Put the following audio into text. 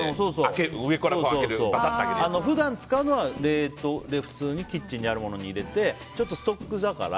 普段使うのはキッチンにあるものに入れてちょっとストックだから。